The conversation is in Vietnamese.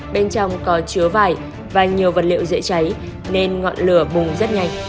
bên trong có chứa vải và nhiều vật liệu dễ cháy nên ngọn lửa bùng rất nhanh